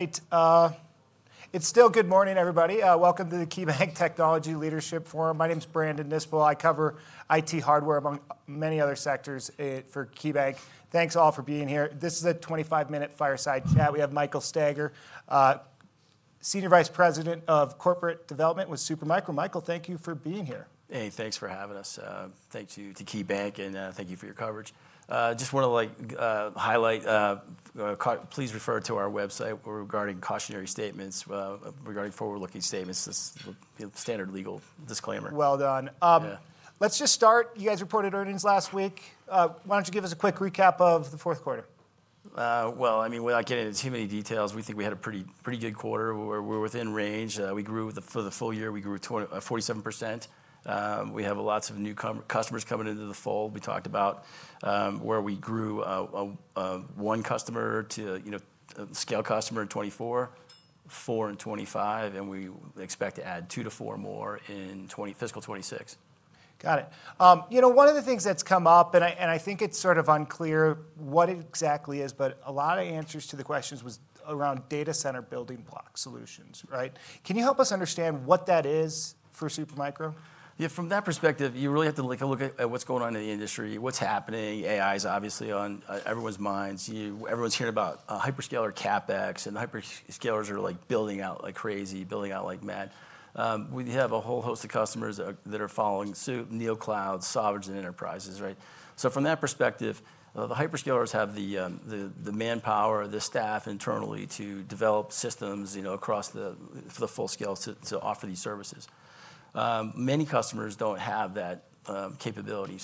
It's still good morning, everybody. Welcome to the KeyBank Technology Leadership Forum. My name's Brandon Nispel. I cover IT hardware among many other sectors for KeyBank. Thanks all for being here. This is a 25-minute fireside chat. We have Michael Staiger, Senior Vice President of Corporate Development with Super Micro. Michael, thank you for being here. Hey, thanks for having us. Thank you to KeyBank, and thank you for your coverage. I just want to highlight, please refer to our website regarding cautionary statements, regarding forward-looking statements. This is a standard legal disclaimer. Let's just start. You guys reported earnings last week. Why don't you give us a quick recap of the fourth quarter? I mean, without getting into too many details, we think we had a pretty good quarter. We're within range. We grew for the full year. We grew 47%. We have lots of new customers coming into the fold. We talked about where we grew one customer to a scale customer in 2024, four in 2025, and we expect to add two to four more in fiscal 2026. Got it. One of the things that's come up, and I think it's sort of unclear what it exactly is, but a lot of answers to the questions were around Data Center Building Block Solutions. Can you help us understand what that is for Super Micro? Yeah, from that perspective, you really have to look at what's going on in the industry, what's happening. AI is obviously on everyone's minds. Everyone's hearing about hyperscaler CapEx, and hyperscalers are building out like crazy, building out like mad. We have a whole host of customers that are following suit: NeoClouds, Storage, and Enterprises. From that perspective, the hyperscalers have the manpower, the staff internally to develop systems across the full scale to offer these services. Many customers don't have that capability.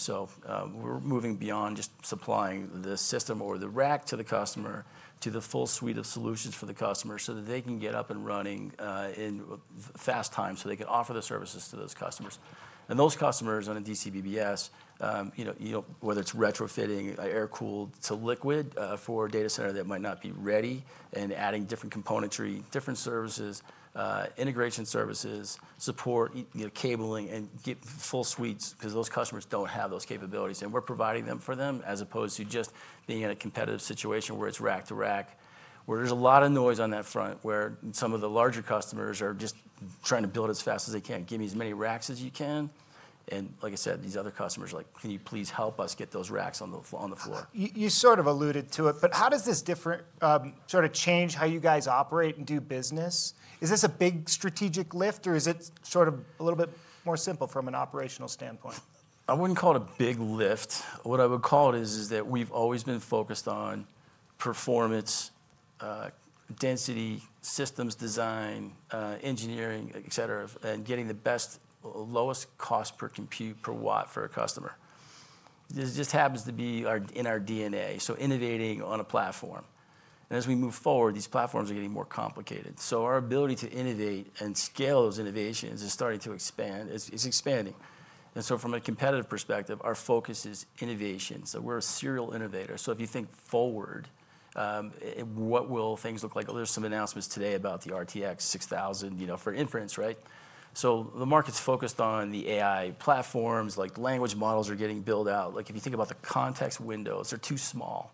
We're moving beyond just supplying the system or the rack to the customer, to the full suite of solutions for the customer so that they can get up and running in fast time so they can offer the services to those customers. Those customers on a DCBBS, whether it's retrofitting air-cooled to liquid for a data center that might not be ready and adding different componentry, different services, integration services, support, cabling, and get full suites because those customers don't have those capabilities. We're providing them for them as opposed to just being in a competitive situation where it's rack to rack, where there's a lot of noise on that front, where some of the larger customers are just trying to build as fast as they can. Give me as many racks as you can. Like I said, these other customers are like, can you please help us get those racks on the floor? You sort of alluded to it, but how does this different, sort of change how you guys operate and do business? Is this a big strategic lift, or is it sort of a little bit more simple from an operational standpoint? I wouldn't call it a big lift. What I would call it is that we've always been focused on performance, density, systems design, engineering, et cetera, and getting the best, lowest cost per compute per watt for a customer. This just happens to be in our DNA. Innovating on a platform, as we move forward, these platforms are getting more complicated. Our ability to innovate and scale those innovations is starting to expand. It's expanding. From a competitive perspective, our focus is innovation. We're a serial innovator. If you think forward, what will things look like? There are some announcements today about the RTX 6000 for inference. The market's focused on the AI platforms. Language models are getting built out. If you think about the context windows, they're too small.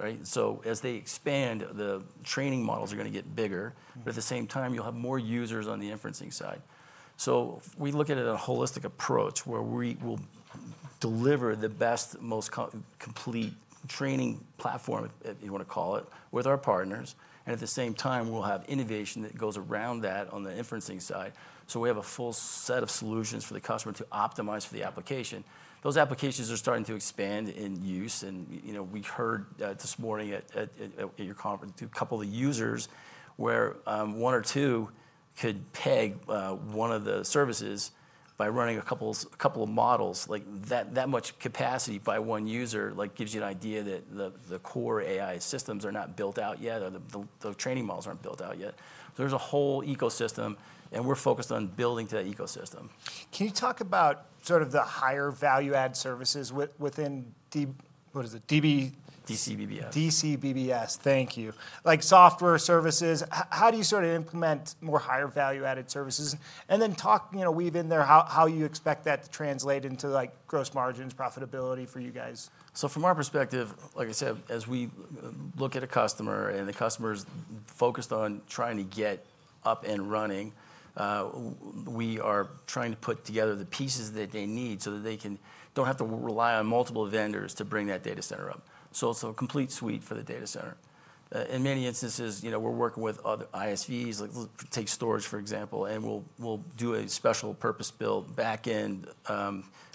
As they expand, the training models are going to get bigger. At the same time, you'll have more users on the inferencing side. We look at it in a holistic approach where we will deliver the best, most complete training platform, if you want to call it, with our partners. At the same time, we'll have innovation that goes around that on the inferencing side. We have a full set of solutions for the customer to optimize for the application. Those applications are starting to expand in use. We heard this morning at your conference a couple of users where one or two could peg one of the services by running a couple of models. That much capacity by one user gives you an idea that the core AI systems are not built out yet. The training models aren't built out yet. There's a whole ecosystem, and we're focused on building to that ecosystem. Can you talk about sort of the higher value-add services within DCBBS, what is it? DCBBS. DCBBS, thank you. Like software services, how do you sort of implement more higher value-added services? Talk, you know, weave in there how you expect that to translate into like gross margins, profitability for you guys. From our perspective, like I said, as we look at a customer and the customer's focused on trying to get up and running, we are trying to put together the pieces that they need so that they don't have to rely on multiple vendors to bring that data center up. It is a complete suite for the data center. In many instances, we're working with other ISVs, like take storage, for example, and we'll do a special purpose-built backend,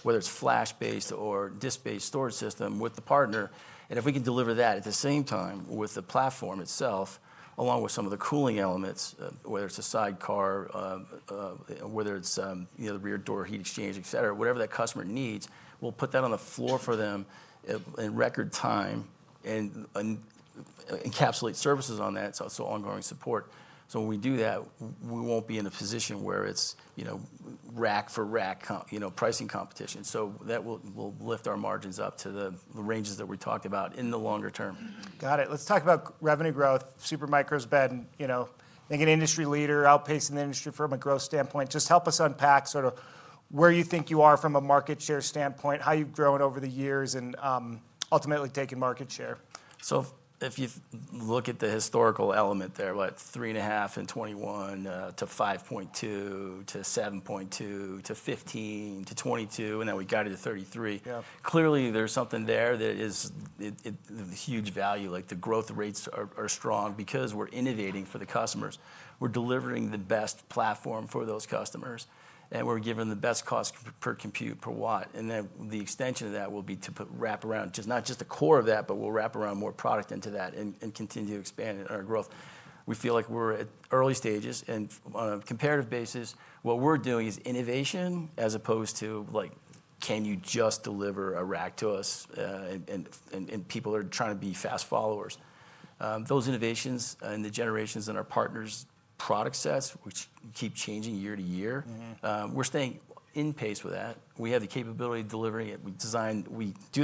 whether it's flash-based or disk-based storage system with the partner. If we can deliver that at the same time with the platform itself, along with some of the cooling elements, whether it's a sidecar, whether it's the rear door heat exchange, et cetera, whatever that customer needs, we'll put that on the floor for them in record time and encapsulate services on that, so ongoing support. When we do that, we won't be in a position where it's rack for rack pricing competition. That will lift our margins up to the ranges that we talked about in the longer term. Got it. Let's talk about revenue growth. Super Micro's been, you know, I think an industry leader, outpacing the industry from a growth standpoint. Just help us unpack sort of where you think you are from a market share standpoint, how you've grown over the years, and ultimately taken market share. If you look at the historical element there, about $3.5 million in 2021 to $5.2 million to $7.2 million to $15 million to $22 million, and then we got it to $33 million. Clearly, there's something there that is a huge value. The growth rates are strong because we're innovating for the customers. We're delivering the best platform for those customers, and we're giving them the best cost per compute per watt. The extension of that will be to wrap around not just the core of that, but we'll wrap around more product into that and continue to expand our growth. We feel like we're at early stages, and on a comparative basis, what we're doing is innovation as opposed to, like, can you just deliver a rack to us? People are trying to be fast followers. Those innovations and the generations in our partners' product sets, which keep changing year to year, we're staying in pace with that. We have the capability of delivering it. We do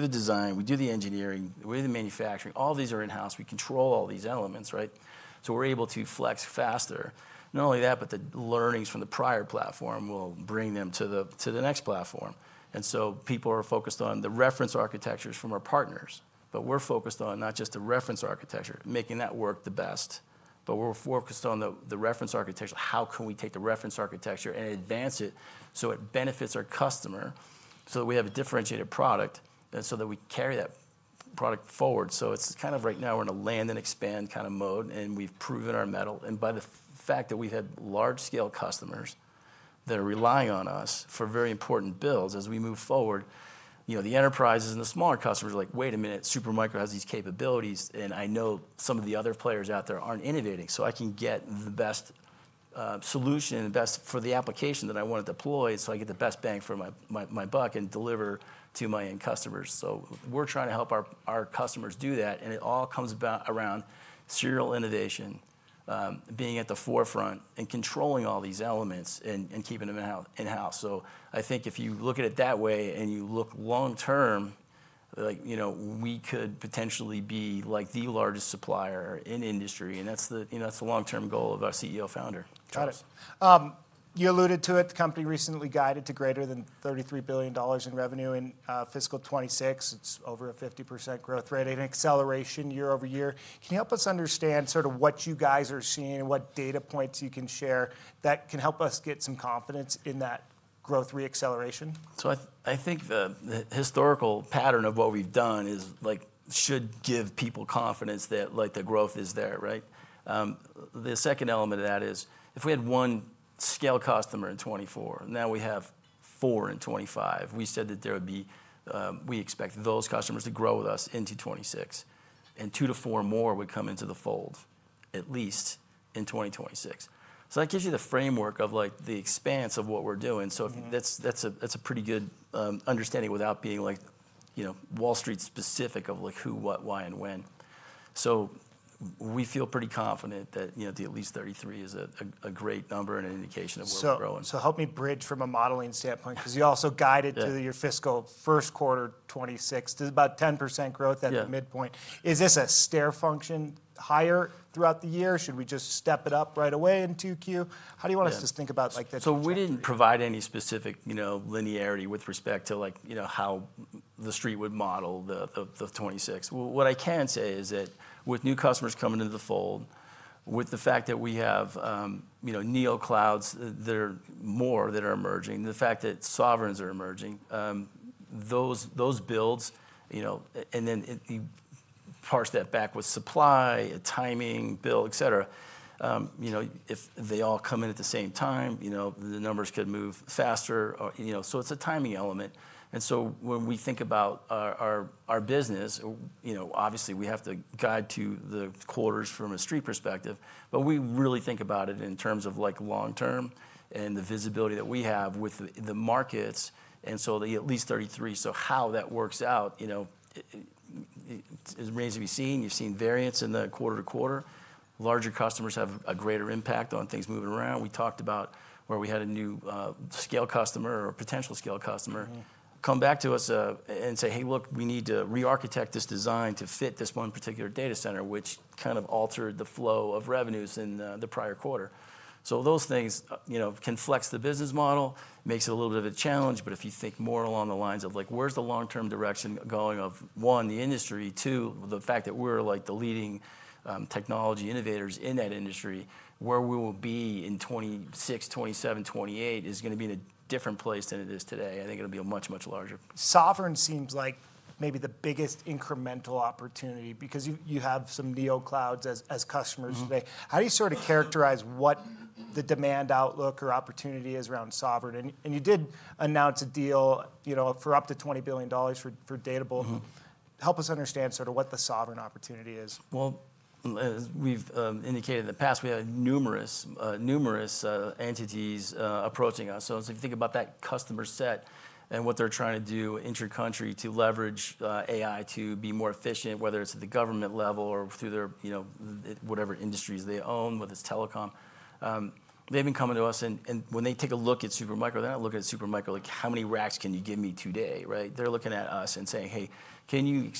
the design, we do the engineering, we're the manufacturing. All these are in-house. We control all these elements. We're able to flex faster. Not only that, but the learnings from the prior platform will bring them to the next platform. People are focused on the reference architectures from our partners. We're focused on not just the reference architecture, making that work the best, but we're focused on the reference architecture. How can we take the reference architecture and advance it so it benefits our customer so that we have a differentiated product and so that we carry that product forward? Right now we're in a land and expand kind of mode, and we've proven our mettle. By the fact that we've had large-scale customers that are relying on us for very important builds as we move forward, the enterprises and the smaller customers are like, wait a minute, Super Micro has these capabilities, and I know some of the other players out there aren't innovating, so I can get the best solution and best for the application that I want to deploy so I get the best bang for my buck and deliver to my end customers. We're trying to help our customers do that, and it all comes around serial innovation, being at the forefront and controlling all these elements and keeping them in-house. I think if you look at it that way and you look long term, we could potentially be the largest supplier in industry, and that's the long-term goal of our CEO founder. Got it. You alluded to it. The company recently guided to greater than $33 billion in revenue in fiscal 2026. It's over a 50% growth rate and acceleration year-over-year. Can you help us understand sort of what you guys are seeing and what data points you can share that can help us get some confidence in that growth reacceleration? I think the historical pattern of what we've done should give people confidence that the growth is there. The second element of that is if we had one scale customer in 2024, now we have four in 2025. We said that we expect those customers to grow with us into 2026, and two to four more would come into the fold at least in 2026. That gives you the framework of the expanse of what we're doing. That's a pretty good understanding without being Wall Street specific of who, what, why, and when. We feel pretty confident that at least $33 milliion is a great number and an indication of where we're growing. Help me bridge from a modeling standpoint because you also guided through your fiscal first quarter 2026. There's about 10% growth at the midpoint. Is this a stair function higher throughout the year? Should we just step it up right away in 2Q? How do you want us to think about like this? We didn't provide any specific linearity with respect to how the street would model the 2026. What I can say is that with new customers coming into the fold, with the fact that we have NeoClouds, there are more that are emerging, the fact that Sovereigns are emerging, those builds, and then you parse that back with supply, timing, build, et cetera. If they all come in at the same time, the numbers could move faster, so it's a timing element. When we think about our business, obviously we have to guide to the quarters from a street perspective, but we really think about it in terms of long term and the visibility that we have with the markets. The at least $33 million, how that works out is amazing to be seen. You've seen variance in the quarter to quarter. Larger customers have a greater impact on things moving around. We talked about where we had a new scale customer or potential scale customer come back to us and say, hey, look, we need to re-architect this design to fit this one particular data center, which kind of altered the flow of revenues in the prior quarter. Those things can flex the business model, makes it a little bit of a challenge, but if you think more along the lines of where's the long-term direction going of one, the industry, two, the fact that we're the leading technology innovators in that industry, where we will be in 2026, 2027, 2028 is going to be in a different place than it is today. I think it'll be a much, much larger. Sovereign seems like maybe the biggest incremental opportunity because you have some NeoClouds as customers today. How do you sort of characterize what the demand outlook or opportunity is around Sovereign? You did announce a deal for up to $20 billion for Databoard. Help us understand sort of what the Sovereign opportunity is. As we've indicated in the past, we have numerous, numerous entities approaching us. If you think about that customer set and what they're trying to do inter-country to leverage AI to be more efficient, whether it's at the government level or through their, you know, whatever industries they own, whether it's telecom, they've been coming to us. When they take a look at Super Micro, they're not looking at Super Micro like how many racks can you give me today, right? They're looking at us and saying, hey, can you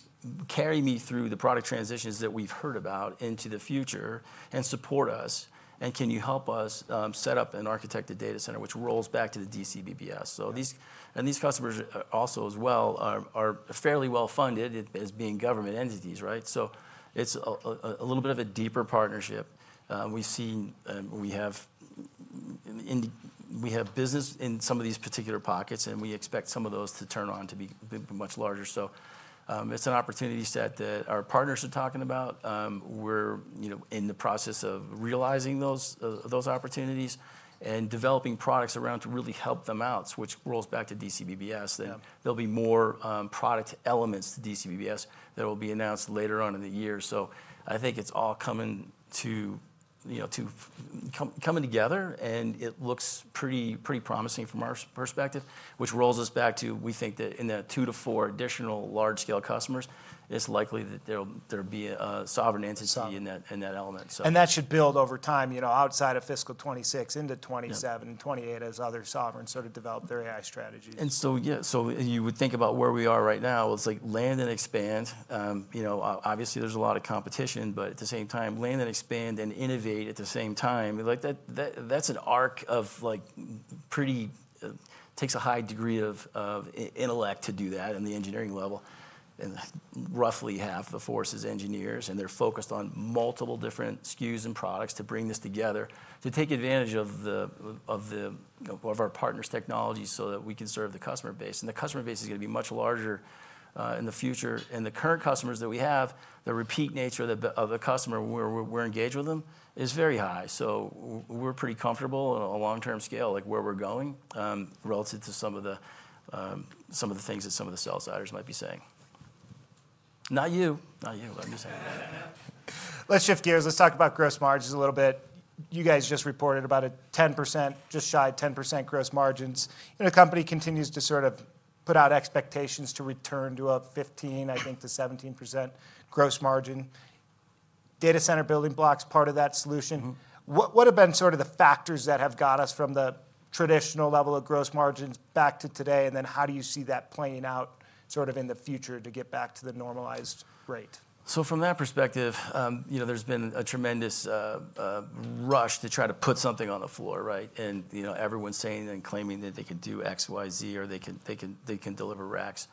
carry me through the product transitions that we've heard about into the future and support us? Can you help us set up an architected data center, which rolls back to the DCBBS? These customers also as well are fairly well funded as being government entities, right? It's a little bit of a deeper partnership. We've seen we have business in some of these particular pockets, and we expect some of those to turn on to be much larger. It's an opportunity set that our partners are talking about. We're in the process of realizing those opportunities and developing products around to really help them out, which rolls back to DCBBS. There'll be more product elements to DCBBS that will be announced later on in the year. I think it's all coming together, and it looks pretty promising from our perspective, which rolls us back to we think that in the two to four additional large-scale customers, it's likely that there'll be a Sovereign entity in that element. That should build over time, you know, outside of fiscal 2026 into 2027 and 2028 as other Sovereign entities sort of develop their AI strategies. You would think about where we are right now. It's like land and expand. Obviously, there's a lot of competition, but at the same time, land and expand and innovate at the same time. That's an arc of pretty, takes a high degree of intellect to do that at the engineering level. Roughly half the force is engineers, and they're focused on multiple different SKUs and products to bring this together, to take advantage of our partners' technology so that we can serve the customer base. The customer base is going to be much larger in the future. The current customers that we have, the repeat nature of the customer where we're engaged with them is very high. We're pretty comfortable on a long-term scale, like where we're going relative to some of the things that some of the sell-siders might be saying. Not you, not you, I'm just saying. Let's shift gears. Let's talk about gross margins a little bit. You guys just reported about a 10%, just shy of 10% gross margins. You know, the company continues to sort of put out expectations to return to a 15%, I think to 17% gross margin. Data Center Building Block, part of that solution. What have been sort of the factors that have got us from the traditional level of gross margins back to today? How do you see that playing out sort of in the future to get back to the normalized rate? From that perspective, you know, there's been a tremendous rush to try to put something on the floor, right? You know, everyone's saying and claiming that they can do X, Y, Z, or they can deliver racks.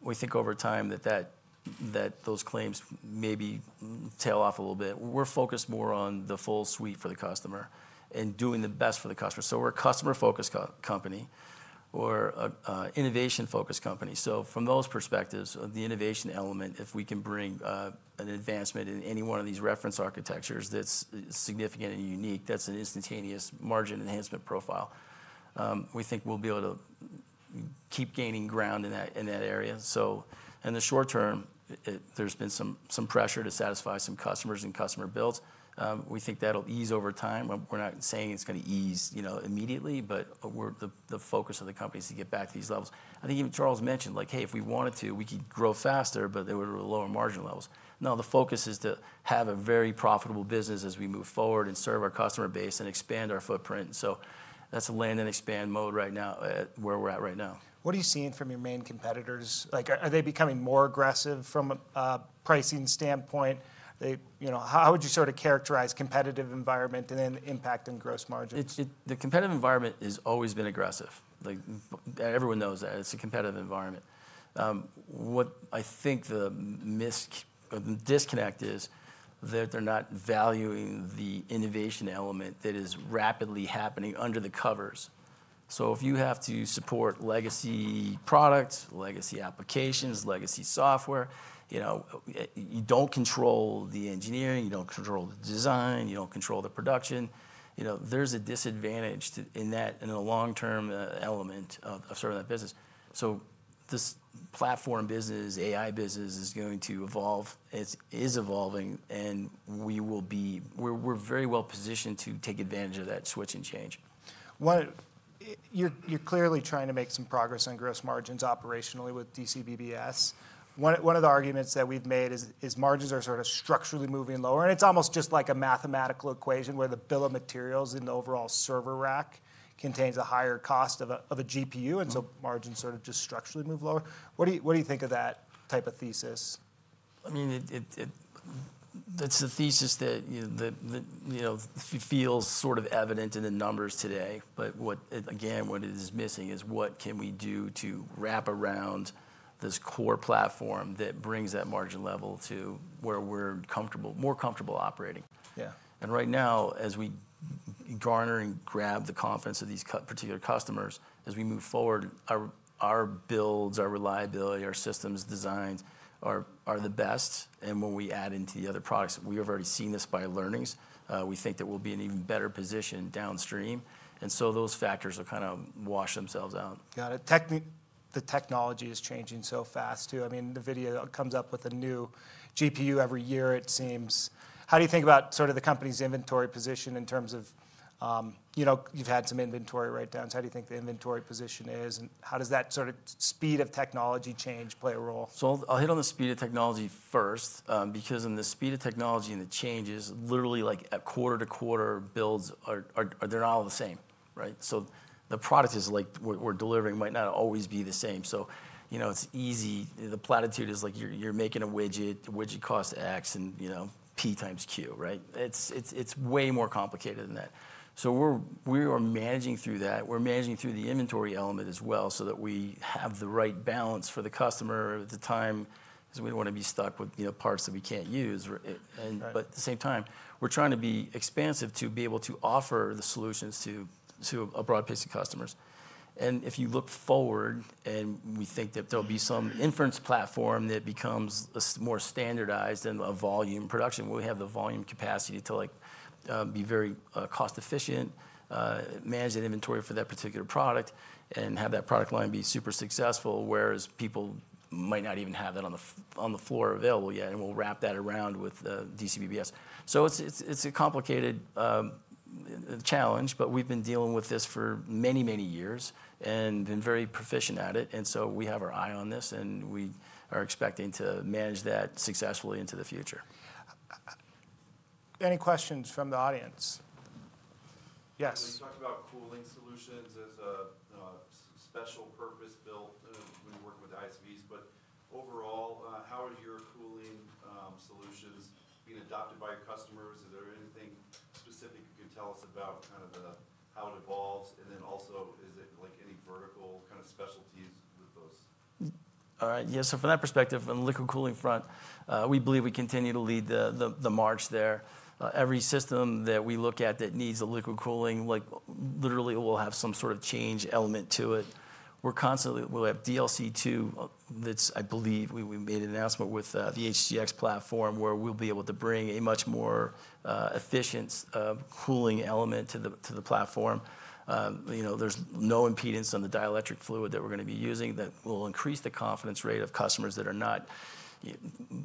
We think over time that those claims maybe tail off a little bit. We're focused more on the full suite for the customer and doing the best for the customer. We're a customer-focused company. We're an innovation-focused company. From those perspectives, the innovation element, if we can bring an advancement in any one of these reference architectures that's significant and unique, that's an instantaneous margin enhancement profile. We think we'll be able to keep gaining ground in that area. In the short term, there's been some pressure to satisfy some customers and customer builds. We think that'll ease over time. We're not saying it's going to ease, you know, immediately, but the focus of the company is to get back to these levels. I think even Charles mentioned like, hey, if we wanted to, we could grow faster, but there were lower margin levels. No, the focus is to have a very profitable business as we move forward and serve our customer base and expand our footprint. That's a land and expand mode right now, where we're at right now. What are you seeing from your main competitors? Are they becoming more aggressive from a pricing standpoint? How would you sort of characterize the competitive environment, and then the impact on gross margins? The competitive environment has always been aggressive. Everyone knows that it's a competitive environment. What I think the disconnect is that they're not valuing the innovation element that is rapidly happening under the covers. If you have to support legacy products, legacy applications, legacy software, you don't control the engineering, you don't control the design, you don't control the production. There's a disadvantage in that and in the long-term element of that business. This platform business, AI business is going to evolve. It is evolving, and we are very well positioned to take advantage of that switching change. You're clearly trying to make some progress on gross margins operationally with DCBBS. One of the arguments that we've made is margins are sort of structurally moving lower, and it's almost just like a mathematical equation where the bill of materials in the overall server rack contains a higher cost of a GPU, and so margins sort of just structurally move lower. What do you think of that type of thesis? I mean, it's a thesis that feels sort of evident in the numbers today. What is missing is what can we do to wrap around this core platform that brings that margin level to where we're more comfortable operating. Right now, as we garner and grab the confidence of these particular customers as we move forward, our builds, our reliability, our systems designs are the best. When we add into the other products, we have already seen this by learnings. We think that we'll be in an even better position downstream. Those factors will kind of wash themselves out. Got it. The technology is changing so fast too. I mean, NVIDIA comes up with a new GPU every year, it seems. How do you think about sort of the company's inventory position in terms of, you know, you've had some inventory write-downs. How do you think the inventory position is? How does that sort of speed of technology change play a role? I'll hit on the speed of technology first because in the speed of technology and the changes, literally like at quarter to quarter, builds are, they're not all the same. Right? The product is like what we're delivering might not always be the same. You know, it's easy. The platitude is like you're making a widget. The widget costs X and, you know, P x Q. Right? It's way more complicated than that. We're managing through that. We're managing through the inventory element as well so that we have the right balance for the customer at the time because we don't want to be stuck with, you know, parts that we can't use. At the same time, we're trying to be expansive to be able to offer the solutions to a broad base of customers. If you look forward and we think that there'll be some inference platform that becomes more standardized in a volume production, we have the volume capacity to be very cost-efficient, manage that inventory for that particular product, and have that product line be super successful, whereas people might not even have that on the floor available yet. We'll wrap that around with DCBBS. It's a complicated challenge, but we've been dealing with this for many, many years and been very proficient at it. We have our eye on this and we are expecting to manage that successfully into the future. Any questions from the audience? Yes, we talked about cooling solutions as a special purpose built when you work with the ISVs. Overall, how is your cooling solutions being adopted by your customers? Is there anything specific you can tell us about kind of how it evolves? Is it like any vertical kind of specialties with those? All right. Yeah, from that perspective, on the liquid cooling front, we believe we continue to lead the march there. Every system that we look at that needs liquid cooling, literally it will have some sort of change element to it. We're constantly, we'll have DLC2 that's, I believe, we made an announcement with the HGX platform where we'll be able to bring a much more efficient cooling element to the platform. There's no impedance on the dielectric fluid that we're going to be using that will increase the confidence rate of customers that are not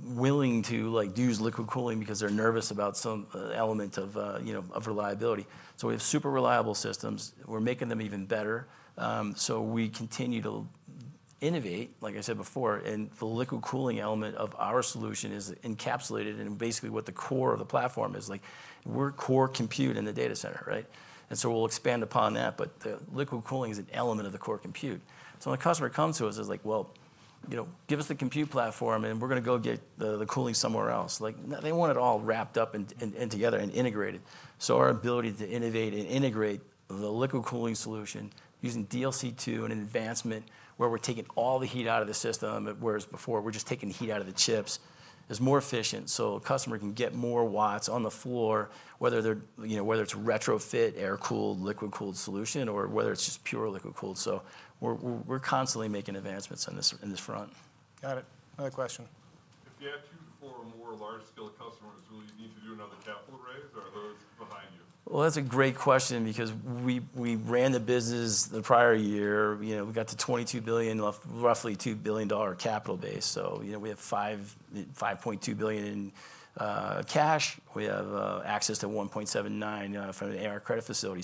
willing to do liquid cooling because they're nervous about some element of reliability. We have super reliable systems. We're making them even better. We continue to innovate, like I said before, and the liquid cooling element of our solution is encapsulated in basically what the core of the platform is. We're core compute in the data center, right? We'll expand upon that, but the liquid cooling is an element of the core compute. When a customer comes to us, it's like, well, you know, give us the compute platform and we're going to go get the cooling somewhere else. They want it all wrapped up and together and integrated. Our ability to innovate and integrate the liquid cooling solution using DLC2 and an advancement where we're taking all the heat out of the system, whereas before we were just taking the heat out of the chips, is more efficient. A customer can get more watts on the floor, whether it's a retrofit air-cooled, liquid-cooled solution, or whether it's just pure liquid-cooled. We're constantly making advancements on this front. Got it. Another question. If you had two to four or more large-scale companies. That's a great question because we ran the business the prior year. You know, we got to $22 billion, roughly $2 billion capital base. You know, we have $5.2 billion in cash. We have access to $1.79 billion from an air credit facility.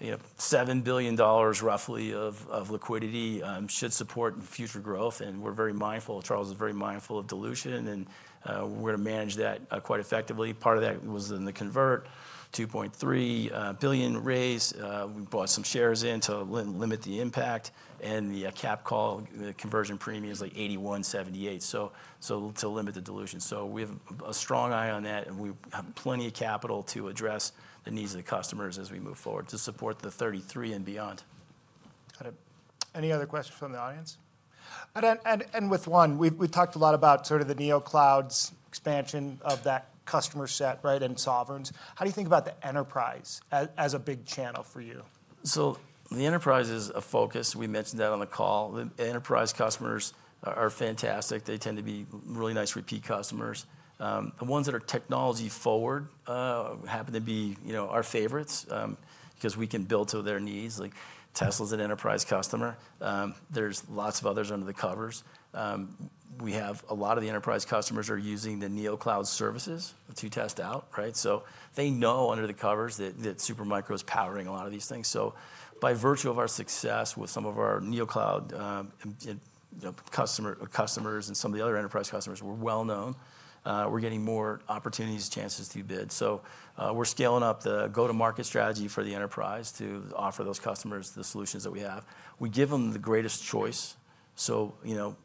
You know, $7 billion roughly of liquidity should support future growth. We are very mindful. Charles is very mindful of dilution and we're going to manage that quite effectively. Part of that was in the convert. $2.3 billion raise. We bought some shares in to limit the impact. The cap call, the conversion premium is like $81.78 to limit the dilution. We have a strong eye on that and we have plenty of capital to address the needs of the customers as we move forward to support the 2023 and beyond. Got it. Any other questions from the audience? With one, we talked a lot about sort of the NeoClouds expansion of that customer set, right, and Sovereign. How do you think about the enterprise as a big channel for you? The enterprise is a focus. We mentioned that on the call. The enterprise customers are fantastic. They tend to be really nice repeat customers. The ones that are technology forward happen to be our favorites because we can build to their needs. Like Tesla's an enterprise customer. There are lots of others under the covers. We have a lot of the enterprise customers that are using the NeoClouds services to test out. They know under the covers that Super Micro is powering a lot of these things. By virtue of our success with some of our NeoClouds customers and some of the other enterprise customers, we're well known. We're getting more opportunities, chances to bid. We're scaling up the go-to-market strategy for the enterprise to offer those customers the solutions that we have. We give them the greatest choice.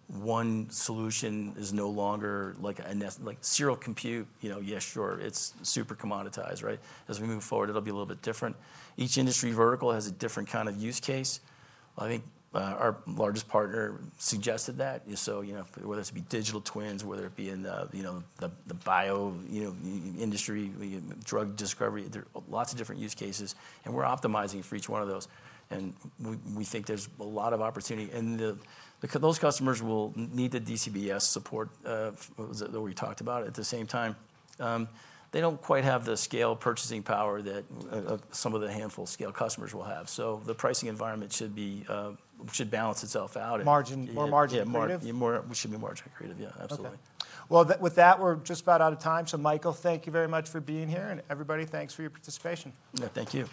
One solution is no longer like a serial compute. It's super commoditized. As we move forward, it'll be a little bit different. Each industry vertical has a different kind of use case. I think our largest partner suggested that. Whether it's to be digital twins, whether it be in the bio industry, drug discovery, there are lots of different use cases. We're optimizing for each one of those. We think there's a lot of opportunity. Those customers will need the DCBBS support that we talked about. At the same time, they don't quite have the scale purchasing power that some of the handful of scale customers will have. The pricing environment should balance itself out. Margin, more margin creative. We should be margin creative. Yeah, absolutely. We're just about out of time. Michael, thank you very much for being here. Everybody, thanks for your participation. Thank you.